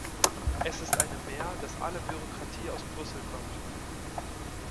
Es ist eine Mär, dass alle Bürokratie aus Brüssel kommt.